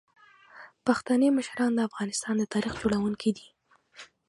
پښتني مشران د افغانستان د تاریخ جوړونکي دي.